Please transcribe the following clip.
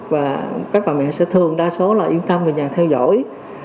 và các bà mẹ sẽ thường đa số là yên tâm về nhà theo dõi